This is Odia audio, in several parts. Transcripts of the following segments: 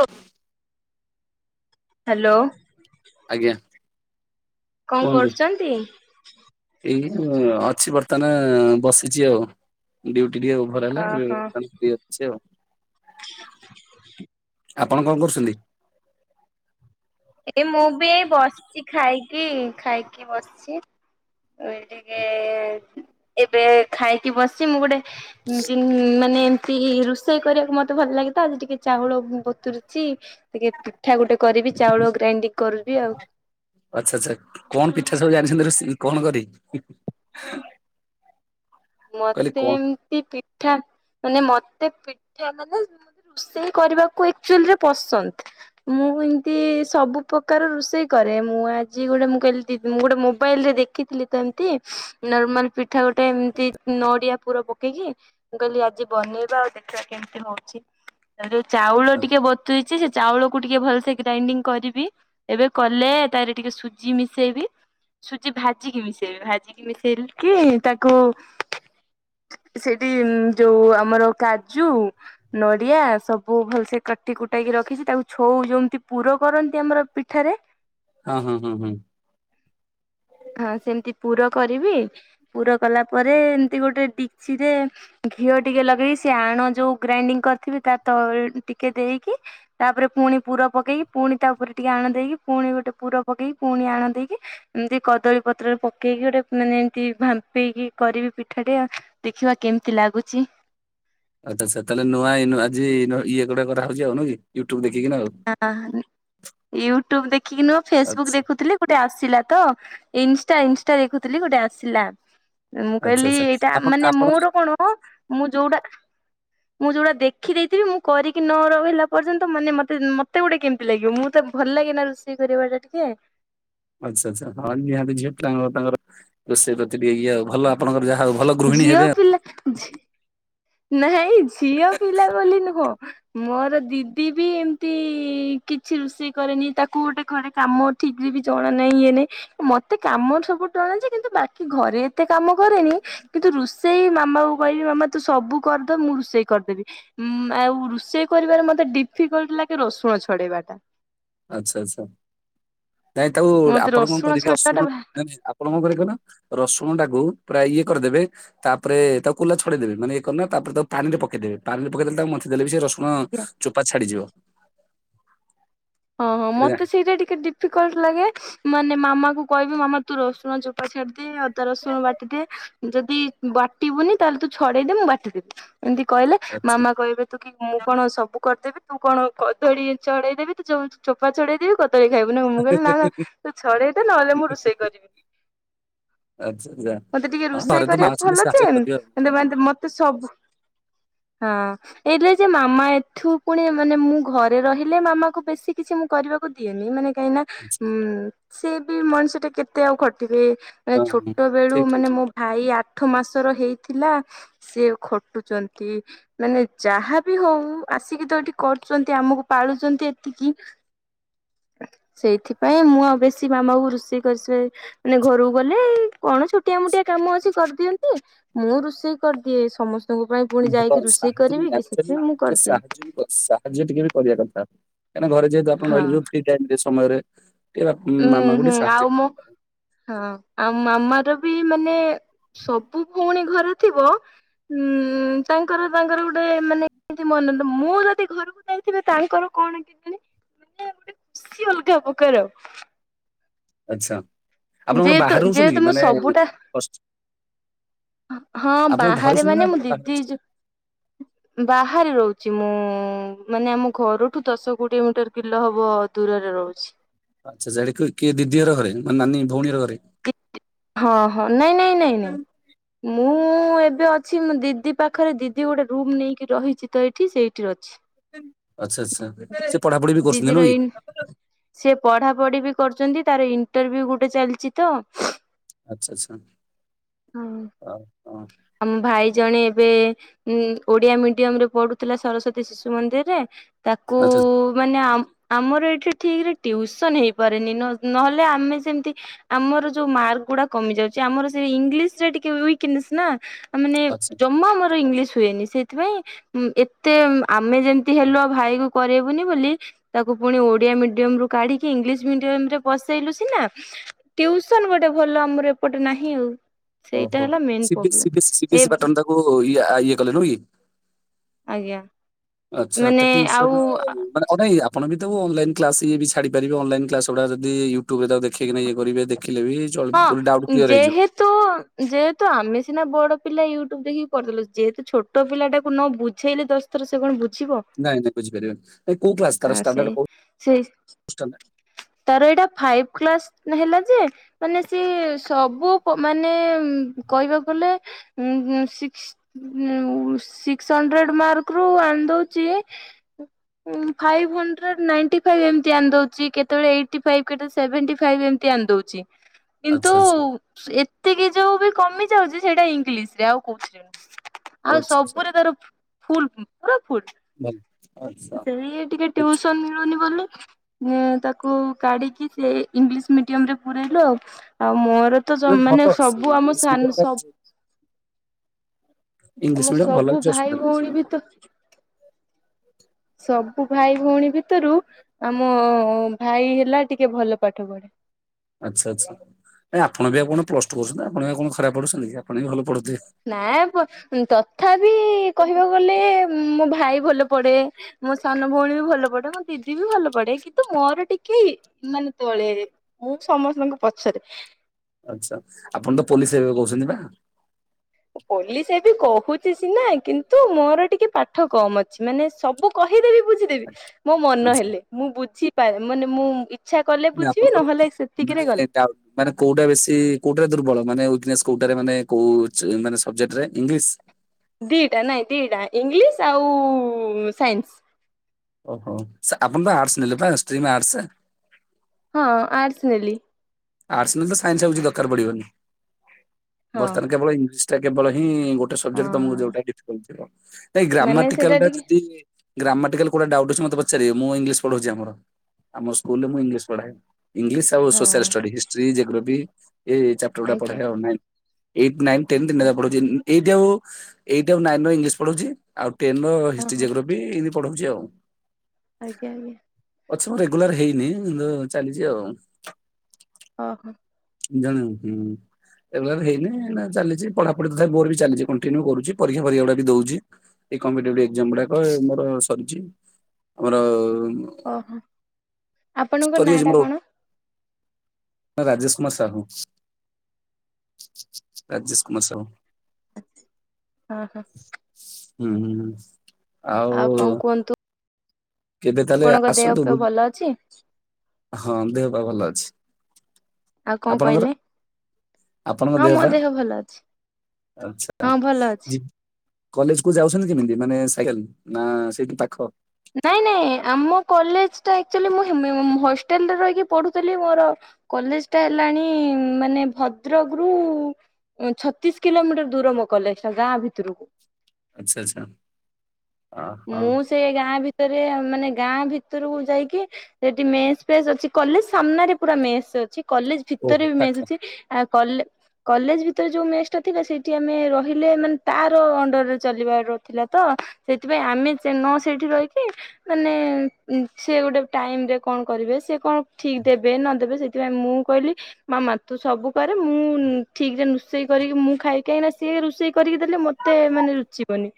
ଓ ହାଲୋ। ଆଜ୍ଞା। କଁ କୁହନ୍ତୁ କରୁଚନ୍ତି? ଏଇ ଅଛି ବର୍ତ୍ତମାନ ବସିଛି ଆଉ ଡ୍ୟୁଟି ଟିକେ ଆଉ। ଖରା ହେଲା ଓହୋ ଅ ଆପଣ କଣ କରୁଛନ୍ତି? ଏଇ ମୁଁ ବି ଏଇ ବସଚି ଖାଇକି ଖାଇକି ବସଚି। ଏଇ ଟିକେ ଏବେ ଖାଇକି ବସିଚି। ମୁଁ ଗୋଟେ ଯିନ - - ଉ ମାନେ ଏମତି ରୋଷେଇ କରିବାକୁ ମତେ ଭଲ ଲାଗେ ତ ଟିକେ ଚାଉଳ ବତୁରିଚି। ଟିକେ ପିଠା ଗୋଟେ କରିବି ଚାଉଳ ଗ୍ରାଇଣ୍ଡିଙ୍ଗ କରିବି ଆଉ। ଆଚ୍ଛା ଆଚ୍ଛା କଣ ପିଠା ସବୁ ଜାଣିଛନ୍ତି ରୋଷେ କଣ କରିବେ? କହିଲେ ମତେ କଣ ଏମତି ପିଠା ମାନେ ମତେ ପିଠା ମାନେ - - ଷେଇ କରିବାକୁ ଏକଚୁଲିରେ ପସନ୍ଦ। ମୁଁ ଏମତି ସବୁ ପ୍ରକାର ରୋଷେଇ କରେ। ମୁଁ ଆଜି ଗୋଟେ ମୁଁ କଇଲି ଦି ମୁଁ ଗୋଟେ ମୋବାଇଲ ରେ ଦେ ଖିଥିଲି ତ ଏମତି। ନର୍ମାଲ ପିଠା ଗୋଟେ ଏମତି। ନଡିଆ ପୁର ପକେଇକି ମୁଁ କଇଲି ଆଜି ବନେଇବା ଆଉ ଦେଖିବା କେମିତି ହୋଉଚି। ଚାଉଳ ଟିକେ ବତୁରେଇଚି। ସେ ଚାଉଳ କୁ ଟିକେ ଭଲସ ଗ୍ରାଇଣ୍ଡିଙ୍ଗ କରିବି। ଏବେ କଲେ ତାରେ ଟିକେ ସୁଜି ମିଶେଇବି। ସୁଜି ଭାଜିକି ମିଶେଇବେ। ଭାଜିକି ମିଶେଇ କିି ତାକୁ- - ସେଇଠି ଯୋଉ ଆମର କାଜୁ - - ନଡିଆ ସବୁ ଭଲସେ କାଟି କୁଟାଇକି ରଖିଚି ତାକୁ ଛଉ ଯେମିତି ପୁର କରନ୍ତି ଆମର ପିଠାରେ। ହଁ ହଁ ହୁଁ ହୁଁ। ହଁ ସେମିତି ପୁର କରିବି। ପୁର କଲା ପରେ ଏମିତି ଗୋଟେ ଡିକଚି ରେ- - ଘିଅ ଟିକେ ଲଗେଇ ସେ ଆଣ ଯୋଉ ଗ୍ରାଇଣ୍ଡିଙ୍ଗ କରିଥିବେ ତା ତଳେଟିକେ ଦେଇକି। ତାପରେ ପୁଣି ପୁର ପକେଇକି ପୁଣି ତା ଉପରେ ଟିକେ ଆଣ ଦେଇେଇକି, ପୁଣି ଗୋଟେ ପୁର ପକେଇକି ପୁଣି ଆଣ ଦେଇେଇକି। ଏମତି କଦଳୀ ପତ୍ରରେ ପକେଇକି ଗୋଟେ ମାନେ ଏମତି ଭାମ୍ପେଇକି କରିବି ପିଠାଟେ ଆ। ଦେଖିବା କେମତି ଲାଗୁଚି। ଆ ଆଛା ଛା ତାହେଲେ ନୂଆ ନଆ ଆଜି ଇଏୁଆ ହାଉଛି ଆଉ କି ୟୁଟୁବ ଦେଖିକି ଆଉ। ସତ ୟୁଟ୍ୟୁବ ଦେଖିକି ନୁହଁ ଫେସବୁକ୍ ଆଚ୍ଛା ଦେଖୁଥିଲି ଗୋଟେ ଆସିଲା ତ ଇନଷ୍ଟା ଇନଷ୍ଟା ଦେଖୁଥିଲି ଗୋଟେ ଆସିଲା। ମୁଁ ଆଚ୍ଛା କଇଲି ଆଚ୍ଛା। ଏଇଟା ଆପଣ ମାନେ ଆପଣ ମୋର କଣ ମୁଁ ଯୋଉଟା ମୁଁ ଯୋଉଟା ଦେଖିଦେଇଥିବି ମୁଁ କରିକି ନ ରହିଲା ପର୍ଯ୍ୟନ୍ତ ମାନେ ମତ ମତେ ଗୋଟେ କେମିତି ଲାଗିବ ମୁଁତେ ଭଲ ଲାଗେନା ରୋଷେଇ କରିବା ଟା ଟିକେ। ଆଚ୍ଛା, ଆଚ୍ଛା ହଁ ନିହାତି ଝିଅ ତାଙ୍କ, ତାଙ୍କର ରୋଷେଇ ପ୍ରତି ଟିକେ ଇଏ ଆଉ ଭଲ ଆପଣଙ୍କର ଯାହା ହଉ ଭଲ ଗୃହିଣୀ ଝିଅ ହେବେ ଆଉ ପିଲା ନାଇଁ ଝିଅ ପିଲା ବୋଲି ନୁହଁ। ମୋର ଦିଦି ବି ଏମତି କିଛି ରୋଷେଇ କରେନି ତାକୁ ଗୋଟେ ଘରେ କାମ ଠିକ ବି ଜଣା ନାହିଁ ଇଏ ନାହିଁ। ମତେ କାମ ସବୁ ଜଣାଯେ କିନ୍ତୁ ବାକି ଘରେ ଏତେ କାମ କରେନି। କିନ୍ତୁ ରୋଷେଇ ମାମା କୁ କହିବି ମାମା ତୁ ସବୁ କରିଦେ ମୁଁ ରୋଷେଇ କରିଦେବି। ଉମ୍ ଆଉ ରୋଷେଇ କରିବାରେ ମତେ ଡିଫିକଲ୍ଟ ଲାଗେ ରସୁଣ ଛଡ଼େଇବା ଟା। ଆଚ୍ଛା, ଆଚ୍ଛା ନାଇଁ ତାକୁ ମତେ ଆପଣ କଣ ରସୁଣ କରିବେ ଛଡେଇବା ଅସୁ ନାଇ। ଟା ଭାରି [unintelligible] କଣ, କଣ କରିବେ କହିଲ ରସୁଣ ଟାକୁ ପ୍ରାୟ ଇଏ କରିଦେବେ। ତାପରେ ତା କୁଲା ଛଡେଇଦେବେ ମାନେଇଏ କରିନ ନା ତାପରେ ତାକୁ ପାଣିରେ ପେଇଦେବେ ପାଣି ପକେଇ ଦେଲେ ତାକୁ ମନ୍ଥି ଦେଲେ ବି ସେ ରସୁଣ ହଁ ଚୋପା ଛାଡିଯିବ। ହଁ, ହଁ ମତେ ସେଇଟା ଟିକେ ଡିଫିକଲ୍ଟ ଲାଗେ ମାନେ ମାମା କ କହିବି ମାମା ତୁ ରଷୁଣ ଛାଡିଦିଏ ଅଦା ରସୁଣ ବାଟିଦିଏ। ଯଦି ବାଟିବୁନି ତାହେଲେ ତୁ ଛଡେଇଦେ ମୁଁ ବାଟିଦେବି ଏମିତି କହିଲେ ଆଚ୍ଛା ମାମା କହିବେ ତୁ କି ମୁଁ କଣ ସବୁ କରିଦେବି ତୁ କଣ କଦଳୀ ଛଡ଼େଇଦେବି ତୁ ଯୋଉ ଚୋପା ଛଡ଼େଇଦେବି କଦଳୀ ଖାଇବୁ ନା ମୁଁ କହିଲି ନା, ନା ତୁ ଛଡେଇଦେ ନହେଲେ ମୁଁ ରୋଷେଇ କରିବି‌। ଆଚ୍ଛା ଯା ମତେ ଟିକେ ହଁ ରୋଷେଇ ଘରେ ତ ମା କରିବାକୁ ଅଛନ୍ତି ଭଲ ସାହାଯ୍ୟ ଯେୁ କରିବେ ଆଉ। ମାନେ ମତେ ସବୁ ହଁ ଏଲେ ଯେ ମାମା ଏଠୁ ପୁଣି ମାନେ ମୁଁ ଘରେ ରହିଲେ ମାମା କୁ ବେଶୀ କିଛି ମୁଁ କରିବାକୁ ଦିଏନି ମାନେ କାହିଁନା ଆଚ୍ଛା। ଉମ୍ ସେ ବି ମଣିଷ ଟା କେତେ ଆଉ ଖଟିବେ ହଁ ହଁ ଛୋଟ ବେଳୁ ଠିକ ଠିକ ମାନେ ଠିକ ମୋ ଆଇ ଆଠ ମାସର ହେଇଥିଲା ସେ ଖଟୁଚନ୍ତି। ମାନେ ଯାହାବି ହଉ ଆସିକି ତ ଏଠି କରୁନ୍ତି ଆମକୁ ପାଳୁଚନ୍ତି [unintelligible] ସେଇଥିପାଇଁ ମୁଁ ଆଉ ବେଶୀ ମାମା କୁ ରୋଷେଇ କରିସାରି ମାନେ ଘରକୁ ଗଲେ କଣ ଛୋଟିଆ ମୋଟିଆ କାମ ଅଛି କରିଦିଅନ୍ତି ମୁଁ ରୋଷେଇ କରିଦିଏ ସମସ୍ତଙ୍କ ପାଇଁ। ପୁଣି [unintelligible] ଯାଇକି ରୋଷେଇ କାର୍ଯ୍ୟ କରିବି କି ସେଥିପାଇଁ ମୁଁ କରିଦିଏ। ଟିକେ ବି କରିବା କଥା କାହିଁକି ନା ଘରେ ଯେହେତୁ ଆପଣ ରହିଲେ ଯଉ ଫ୍ରି ଟାଇମରେ ସମୟରେ ଏ ମାମାକୁ ଟିକେ ସାହାଯ୍ୟ କର। ହଁ ଆଉ ମାମାର ବି ମାନେ ସବୁ ଭଉଣୀ ଘରେ ଥିବ। ହୁଁ ତାଙ୍କର, ତାଙ୍କର ଗୋଟେ ମାନେ ମନ ମୁଁ ଯଦି ଘରକୁ ଯାଇଥିବି ତାଙ୍କର କଣ? ଖୁସିଅଲଗା ପକାର। ଆଚ୍ଛା। ଆପଣ କଣ ଯେହେତୁ, ବାହାରେ ରହୁଛନ୍ତି ଯେହେତୁ କି ମୁଁ ମାନେ ସବୁଟା ହଷ୍ଟେଲ ହଁ ଆପଣଙ୍କ ଘରେ ବାହାରେ ଅଛନ୍ତି ନା ମାନେ ମୁଁ ବାହାରେ ଦିଦି ଅଛନ୍ତି? ଯ ବାହାରେ ରହୁଛି ମୁଁ ମାନେ ଆମ ଘରଠୁ ଦଶ କୋଡିଏ ମିଟର କିଲ ହବ ଦୂରରେ ରହୁଛି। ଆଚ୍ଛା ସାଡେ କିଏ ଦିଦିର ଘରେ ମାନେ ନାନୀ ଭଉଣୀର ଘରେ। ହଁ, ହଁ ନାଇଁ, ନାଇଁ, ନାଇଁ, ନାଇଁ। ମୁଁ ଏବେ ଅଛି ମୁଁ ଦିଦି ପାଖରେ ଦିଦି ଗୋଟେ ରୁମ୍ ନେଇକି ରହିଛି ତ ଏଇଠି ସେଇଠି ତ ଏଠି ଅଛି। ଆଚ୍ଛା, ଆଛା ସେ ପଢାପଢି ବି କରୁଛନ୍ତି ନୁ କି? ସେ ପଢା ପଢି ବି କରୁଚନ୍ତି ତାର ଇଣ୍ଟରଭି୍ୟୁ ଗୋଟେ ଚାଲିଛି ତ। ଆଚ୍ଛା, ଆଚ୍ଛା ହଁ। ଆଉ? ଆମ ଭାଇ ଜଣେ ଏବେ ଉଁ ଓଡ଼ିଆ ମିଡିୟମ୍ ରେ ପଢୁଥୁଲା ସରସ୍ଵତୀ ଶିଶୁ ମନ୍ଦିରରେ ତାକୁ ଆଚ୍ଛା ମାନେ ଆ ଆମର ଏଠି ଠିକରେ ଟ୍ୟୁସନ ହେଇପାରେନି ନ ନହେଲେ ଆମେ ସେମତି ଆମର ଯୋଉ ମାର୍କଗୁଡ଼ା କମି ଯାଉଚି ଆମର ସେଇ ଇଂଲିଶରେ ଟିକେ ୱିକନେସ୍ ନା। ଆ ମାନେ ଆଚ୍ଛା ଜମା ଆମର ଇଂଲିଶ ହୁଏନି। ସେଇଥିପାଇଁ ଉଁ ଏତେ ଆମେ ଯେମିତି ହେଲୁ ଅ ଭାଇକୁ କରରେବୁନି ବୋଲି ତାକୁ ପୁଣି ଓଡ଼ିଆ ମିଡିୟମ୍ ରୁ କାଢିକି ଇଂଲିଶ ମିଡିୟମ୍ ରେ ପସେଇଲୁ ସିନା ଟିଉସନ୍ ଗୋଟେ ଭଲ ଆମର ଏପଟେ ନାହିଁ ଆଉ। ସେଇଟା ଓହୋ ହେଲା main C B problem. C B S C B A S pattern ତାକୁ ଇଏ ଆ ଇଏ କଲେ ନୁହଁ କି? ଆଜ୍ଞା। ଆଚ୍ଛା ତା ଟ୍ୟୁସନ ଆଉ ମାନେ ଅ ନାଇ ଆପଣ ବି ତାକୁ ଅନଲାଇ କ୍ଲାସ ଇଏ ବି ଛାଡ଼ି ପାରିବେ ଅନଲାଇନ କ୍ଲାସଉଡ଼ା ଯଦି ୟୁଟ୍ୟୁବରେ ତାକୁ ଦେଖେଇକିନା ଇଏ କରିବେ ଦେଖିଲେ ବି ଚଳି ହଁ ପୁଣି ଡାଉଟ ଉଁ କ୍ଲିୟର ହେଇଯିବ। ଯେହେତୁ ଯେହେତୁ ଆମେ ସିନା ବଡ଼ ପିଲା ୟୁଟ୍ୟୁବ ଦେଖିକି କରିଦେଲ ଯେହେତୁ ଛୋଟ ପିଲାଟାକୁ ନ ବୁଝେଇଲେ ଦଶ୍ ଥର ସେ କଣ ବୁଝିବ? ନାଇଁ ନାଇଁ ବୁଝିପାରିବନି। ଏଁ କୋଉ କ୍ଲାସ୍ ତାର ସେ ଷ୍ଟାଣ୍ଡାଡ଼ ପୋ ସେ ଷ୍ଟାଣ୍ଡା ତାର ଏଇଟା ଫାଇବ୍ କ୍ଲାସ ହେଲା ଯେ ମାନେ ସେ ସବୁ ପୋ ମାନେ କହିବାକୁ ଗଲେ ଉଁ ସିକ୍ସ ଉଁ ସିକ୍ସ ହଣ୍ଡ୍ରେଡ ମାର୍କରୁ ଆଣି ଦୋଉଚି ଉଁ ଫାଇଭ୍ ହଣ୍ଡ୍ରେଡ଼୍ ନାଇଣ୍ଟି ଫାଇ ଏମିତି ଆଣି ଦଉଚି କେତଳେ ଏଇଟି ଫାଇଭ୍ କେତେବେଳେ ସେଭେଣ୍ଟି ଫାଇଭ୍ ଏମିତି ଆଣି ଦୋଉଚି। କିନ୍ତୁ ଆଚ୍ଛା ଆଚ୍ଛା ଏତିକି ଯୋଉ ବି କମି ଯାଉଚି ସେଇଟା ଇଂଲିଶରେ ଆଉ କୋଉଥିରେ ନୁଁ ଓ ଆଉ ଆଚ୍ଛା ଆଚ୍ଛା ସବୁରେ ତାର ଫୁଲ୍ ପୁରା ଫୁଲ୍ ଭଲ ଆଚ୍ଛା। ସେ ଟିକେ ଟ୍ୟୁସନ ମିଳୁନି ବୋଲି ଏ ତାକୁ କାଢି଼କି ସେ ଇଂଲିଶ ମିଡିୟମରେ ପୁରେଇଲୁ ଆଉ ଆଉ ମୋର ତ ଯ ନା ଭଲ ମାନେ ଅଛି ସବୁ ଆମ ଇଂଲିଶ ସାନ ମିଡିୟମ ସ ଟା ଇଂଲିଶ ଆମ ମିଡିୟମ ଭଲ ସବୁ କିଛି ଅସୁବିଧା ଭାଇ ନାହିଁ। ଭଉଣୀ ବି ତ ସବୁ ଭାଇ ଭଉଣୀ ଭିତରୁ ଆମ ଭାଇ ହେଲା ଟିକେ ଭଲ ପାଠ ପଢେ। ଆଚ୍ଛା ଆଚ୍ଛା ଏ ଆପଣ ବି ଆପଣ ପ୍ଲସ ଟୁ କରୁଛନ୍ତି ଆପଣ ବା କଣ ଖରାପ ପଢ଼ୁଛନ୍ତି କି ଆପଣ ବି ଭଲ ପଢୁଥୁବେ। ନାଁ ଏ ପ ତଥାପି କହିବାକୁ ଗଲେ ମୋ ଭାଇ ଭଲ ପଢ଼େ। ମୋ ସାନ ଭଉଣୀ ବି ଭଲ ପଢେ ମୋ ଦିଦି ବି ଭଲ ପଢେ କିନ୍ତୁ ମୋର ଟିକେ ମାନେ ତଳେ। ମୁଁ ସମସ୍ତଙ୍କ ପଛରେ। ଆଚ୍ଛା ଆପଣ ତ ପୋଲିସ ହେବେ କହୁଛନ୍ତି ପା। ଓ ପୋଲିସ ହେବି କହୁଚି ସିନା କିନ୍ତୁ ମୋର ଟିକେ ପାଠ କମ ଅଛି ମାନେ ସବୁ କହିଦେବି ବୁଝି ଦେବି। ମୋ ମନ ଆଚ୍ଛା ହେଲେ ମୁଁ ବୁଝି ପା ମାନେ ମୁଁ ଇଚ୍ଛା କଲେ ନା ବୁଝିବି ଆପଣଙ୍କର ନହେଲେ ମାନେ ସେତିକିରେ ଗଲା। ଡାଉଟ ମାନେ କୋଉଟା ବେଶୀ କୋଉଟାରେ ଦୁର୍ବଳ ମାନେ ୱିକନେସ୍ କୋଉଟାରେ ମାନେ କୋଉ ଚ୍ ମାନେ ସବଜେକ୍ଟରେ ଇଂଲିଶ? ଦିଟା ନାଇଁ ଦିଟା ଇଂଲିଶ ଆଉ ସାଇନ୍ସ। ଓହୋ ସା ଆପଣ ତ ଆର୍ଟସ ନେଲେ ପା ଆର୍ଟସେ। ହଁ ଆର୍ଟସ୍ ନେଲି। ଆର୍ଟସ ନେଇଥିଲ ସାଇନ୍ସ ଆଉ କିଛି ଦରକାର ପଡ଼ିବନି ହଁ। ବର୍ତ୍ତମାନ କେବଳ ଇଂଲିସ୍ ଟା କେବଳ ହିଁ ଗୋ ଟ ସବ୍ଜେକ୍ଟ ତମୁକୁ ହଁ। ଯୋଉଟା ଡିଫିକଲ୍ଟ ଥିବ ନାଇଁ ମାନେ ସେଇଟା ଗ୍ରାମାଟିକାଲଟା ଟିକେ ଯଦି ଗ୍ରାମାଟିକାଲ କୋଉଟା ଡାଉଟ୍ ଅଛି ମତେ ପଚାରିଏ ମୁଁ ଇଂଲିଶ ପଢ଼ଉଚି ଆମର ଆମ ସ୍କୁଲରେ ମୁଁ ଇଲିଶ ପଢ଼ାଏ। ଇଂଲିଶ୍ ଆଉ ସୋସିଆଲ ହଁ। ଷ୍ଟଡ଼ି ହିଷ୍ଟ୍ରି ଜେଗ୍ରୋପି ଏ ଚାପ୍ଟର ଉଡ଼ା ଆଜ୍ଞା ପଢ଼ାଏ ଆଉ ନାଇ ଏଇଟ୍ ନାଇ ଟେନ୍ ତିନଟା ଯାକ ପଢ଼ଉଚି ଏ ଏଇଟ୍ ଆଉ ଏଇଟ୍ ଆଉ ନାଇନ୍ ର ଇଂଲିଶ ପଢ଼ଉଚି। ଆଉ ଟେନର ହିଷ୍ଟି ଓହୋ ଜେଗ୍ରୋପି ଏମତି ପଢ଼ଉଚି ଆଉ। ଆଜ୍ଞା ଇଁ ଅଛି ମୁଁ ରେଗୁଲାର ହେଇନି ଲୋ ଚାଲିଚି ଆଉ। ହଁ ହ। ଜାଣ ହୁଁ। ରେଗୁଲାର ହେଇନି ନା ଚାଲିଚି ପଢାପଢି ତଥାପି ମୋର ବି ଚାଲିଚି କଣ୍ଟୀନୁ କରୁଛି। ପରୀକ୍ଷା ଫରିକ୍ଷା ବି ଦଉଛି। ଏଇ କମ୍ପିଟେଟୁ ଏକ୍ଜାମ ଗୁଡ଼ାକ ମୋର ସରିଛି। ଆମର ଉଁ ଓହୋ। ଆପଣଙ୍କ ସ୍ପରି ନାଁ ଯାଇଛି ଟା ମୋରୋଡ଼। କଣ? ମୋନା ରାଜେଶ କୁମାର ସାହୁ। ରାଜେଶ କୁମାର ସାହୁ। ଆଚ୍ଛା ହାଁ ହା। ହୁଁ ହ କଣ ଆଉ କୁହନ୍ତୁ କେବେ ତାହେଲେ ଆପଣଙ୍କ ଦେହ ଆସନ୍ତୁ ଫେହ ବୁଲ୍। ଭଲ ଅଛି? ହଁ ଦେହପା ଭଲ ଅଛି। ଆଉ କଣ ଆପଣଙ୍କର କହିଲେ? ଆପଣଙ୍କ ହଁ ମୋ ପା ଦେହ ଭଲ ଅଛି। ଆଚ୍ଛା ହଁ ଭଲ ଅଛି। ଜି କଲେଜ କୁ ଯାଉଛନ୍ତି କେମିତି ମାନେ ସାଇକେଲ ନା ସେଇଠୁ ପାଖ? ନାଇଁ ନାଇଁ ଆମ କଲେଜଟା ଏକ୍ଚୁଲି ମୁଁ [unintelligible] ହଷ୍ଟେଲରେ ରହିକି ପଢୁଥିଲି ମୋର କଲେଜ ଟା ହେଲାଣି ମାନେ ଭଦ୍ରକରୁୁ ଛତିଶ କିଲୋମିଟର ଦୂର ମୋ କଲେଜଟ ଗାଁ ଭିତରକୁ। ଆଚ୍ଛା ଆଚ୍ଛା। ଆହ ମୁଁ ଆହ। ସେ ଗାଁ ଭିତରେ ମାନେ ଗାଁ ଭିତରକୁ ଯାଇକି ସେଠି ମେସ୍ ଫେସ ଅଛି। କଲେଜ ସାମ୍ନାରେ ପୁରା ମେସ ଅଛି। କଲେଜ ଓହୋ ଭିତରେ ବି ପାଖ ମେସ୍‌ ଅଛି। ଆଉ କଲେ କଲେଜ ଭିତରେ ଯୋଉ ମେସ୍‌ ଟା ଥିଲା ସେଇଠି ଆମେ ରହିଲେ। ମାନେ ତାର ଅଣ୍ଡରରେ ଚାଲିବାର ଥିଲା ତ। ସେଥିପାଇଁ ଆମେ ନ ସେଇଠି ରହିକି। ମାନେ ସେ ଗୋଟେ ଟାଇମ ରେ କଣ କରିବେ? ସେ କଣ ଠିକ ଦେବେ ନ ଦେବେ ସେ ସେଥିପାଇଁ ମୁଁ କହିଲି। ମାମା ତୁ ସବୁ କରେ। ମୁଁ ଠିକ ରେ ରୋଷେଇ କରି ମୁଁ ଖାଇ ଖାଇ ନା ସିଏ ରୋଷେଇ କରିକି ଦେଲେ ମତେ ମତେ ମାନେ ରୁଚିବନି।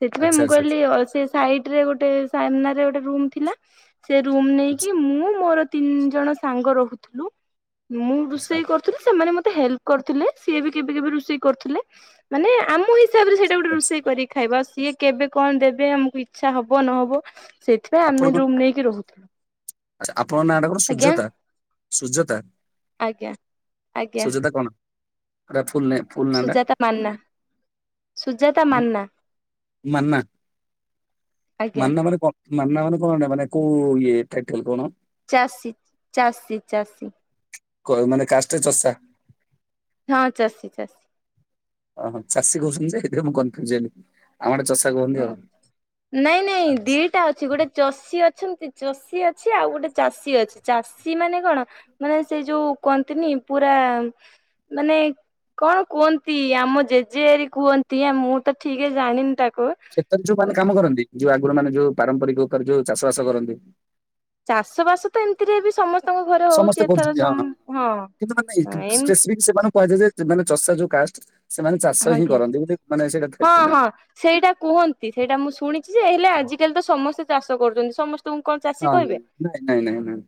ସେଥିଲାଗି ଆଚ୍ଛା ମୁଁ ଆଚ୍ଛା କହିଲି ଆଚ୍ଛା ଆଉ ସେ ସାଇଟ୍‌ରେ ଗୋଟେ ସାମ୍ନାରେ ଗୋଟେ ରୁମ ଥିଲା। ସେ ରୁମ୍ ଆଚ୍ଛା ନେଇକି ମୁଁ ମୋର ତିନି ଜଣ ସାଙ୍ଗ ରହୁଥିବୁ। ମୁଁ ଆଚ୍ଛା ରୋଷେଇ କର ଥିଲେ। ସେମାନେ ମତେ ହେଲ୍ କରୁଥିଲେ। ସିଏ ବି କେବେ କେବେ ରୋଷେଇୁଥିଲେ ମାନେ ଆମ ତାପରେ ସେଇଟା ଗୋଟେ ଆଚ୍ଛା। ରୋଷେଇ କରିକି ଖାଇବା। ସିଏ କେବେ କଣ ଦେବେ ଆମକୁ ଇଚ୍ଛା ହବ ନହବ। ସେଥିପାଇଁ ଆମେ ରୁମ୍ ନେଇକି ରହୁଥିଲୁ। ଆଛା, ଆପଣଙ୍କ ନାଁଟା କଣ ଆଜ୍ଞା ସୁଜାତା, ସୂଜତା। ଆଜ୍ଞା ଆଜ୍ଞା ସୁଚତା କଣ? ଗୋଟେ ଫୁଲ ନେମ୍। ଫୁଲ୍ ନାଆଟା। ସୁଜାତା ମାନା ସୁଜାତା ମାନା ମାନା। ଆଜ୍ଞା ମାନା ମାନେ କଣ, ମାନା ମାନେ କଣ ଏଇଟା କୋଏ ଟାଇଟଲ କଣ? ଚାଷୀ, ଚାଷୀ, ଚାଷୀ କ ମାନେ କାଷ୍ଟରେ ଚଷା। ହଁ ଚାଷୀ ଚାଷୀ। ଓହୋ। ଚାଷୀ କହୁଛନ୍ତି ଯେ ସେଥିପରେ ମୁଁ କୋନ୍ଫିୟୁଜ୍‌‌ ହେଲି। ଆମ ଆଡେ ଚଷା କୁହନ୍ତି ଆଉ। ନାଇଁ ନାଇଁ ଦିଟା ଅଛି। ଗୋଟେ ଚଷୀ ଅଛନ୍ତି ଚଷୀ ଅଛି ଆଉ ଗୋଟେ ଚାଷୀ ଅଛି। ଚାଷୀ ମାନେ କଣ? ମାନେ ସେ ଯୋଉ କହନ୍ତିନି ପୁରା ମାନେ କଣ କୁହନ୍ତି? ଆମ ଜେଜେରି କୁହନ୍ତି। ମୁଁ ତ ଠିକରେ ଜାଣିନି ତାକୁ। କ୍ଷେତରେ ଯୋଉ ମାନେ କାମ କରନ୍ତି। ଯୋଉ ଆଗରୁ ମାନେ ଯୋଉ ପାରମ୍ପରିକ ଉପରେ ଯୋଉ ଚାଷ ବାସ କରନ୍ତି। ଚାଷ ବାସ ତ ଏମିତିରେ ବି ସମସ୍ତଙ୍କ ଘରେ ସମସ୍ତେ ହଉଛି। ଏଥର କରୁଛନ୍ତି ହଁ ଚମ୍ ହଁ କିନ୍ତୁ ମାନେ ହଁ ଏମ ସ୍ପେସିଫିକ ସେମାନଙ୍କୁ କୁହାଯାଏ ଯେ ମାନେ ଚଷା ଯୋଉ କାଷ୍ଟ ସେମାନେ ଚାଷ ହିଁ ଆଜ୍ଞା କରନ୍ତି ବୋଲି ମାନେ ସେଇଟା ହଁ ଥିଲା। ହଁ ସେଇଟା କୁହନ୍ତି ସେଇଟା ମୁଁ ଶୁଣିଛି ଯେ ହେଲେ ଆଜିକାଲି ତ ସମସ୍ତେ ଚାଷ କରୁଛନ୍ତି ସମସ୍ ତୁମକୁ କଣ ଚାଷୀ ହଁ ହଁ। କହିବେ ନାଇଁ ନାଇଁ ନାଇଁ ନାଇଁ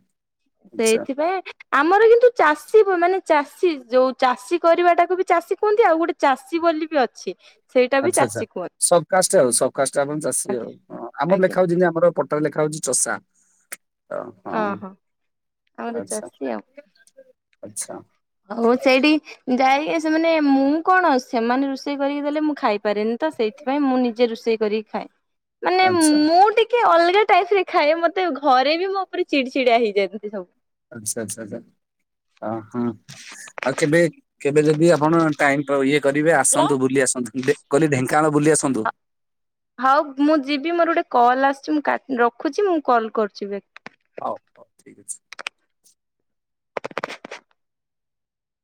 ଆଚ୍ଛା। ସେଇଥିପାଇଁ ଆମର କିନ୍ତୁ ଚାଷୀ ମାନେ ଚାଷୀ ଯୋଉ ଚାଷୀ କରିବାଟାକୁ ବି ଚାଷୀ କୁହନ୍ତି ଆଉ ଗୋଟେ ଚାଷୀ ବୋଲି ବି ଅଛି। ସେଇଟା ବି ଆଚ୍ଛା ଆଛା ଚାଷୀ କୁହନ୍ତି ସବକାଷ୍ଟ ଆଉ ସବକାଷ୍ଟ ଆପଣ ଚାଷୀ ଆଉ ଆଜ୍ଞା ହଁ ଆମର ଆଜ୍ଞା ଲେଖା ହଉଚି ଜିନ୍ତି ଆମର ପଟ ତାପରେ ଲେଖା ହଉଛି ଚଷା ଏ ହଁ। ଓହୋ ଆମର ଆଚ୍ଛା ଚାଷୀ ଆଉ ଆଚ୍ଛା ହଉ ସେଇଠି ଯାଇକି ସେମାନେ ମୁଁ କଣ ସେମାନେ ରୋଷେଇ କରିକି ଦେଲେ ମୁଁ ଖାଇପାରେନି ତ ସେଇ ସେଥିପାଇଁ ମୁଁ ନିଜେ ରୋଷେଇ କରିକି ଖାଏ। ମାନେ ଆଚ୍ଛା। ମୁଁ ଟିକେ ଅଲଗା ଟାଇପରେ ଖାଏ ମତେ ଘରେ ବି ମୋ ଉପରେ ଚିଡି ଚିଆ ହେଇଯାନ୍ତି ସବୁ। ଆଚ୍ଛା ଆଚ୍ଛା ଆଛା ଅ ହଁ ଆଉ କେବେ କେବେ ଯଦି ଆପଣ ଟାଇମ୍ ଇଏ କରିବେ ଆସନ୍ତୁ ବୁଲି ଆସନ୍ତୁ କହିଲି ଢେଙ୍କାନାଳ ବୁଲି ଆସନ୍ତୁ। ହଉ ମୁଁ ଯିବି ମୋର ଗୋଟେ କଲ୍ ଆସିଛି ମୁଁ କା ରଖୁଛି ମୁଁ କଲ୍ କରୁଛି ବ ହଉ ହଉ ଠିକ ଅଛି।